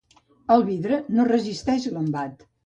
El vidre no resisteix l'embat.